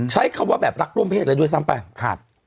ใช้คำว่าแบบรักร่วมเพศเลยด้วยซ้ำไปครับ